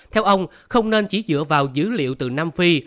theo ông không nên chỉ dựa vào dữ liệu từ nam phi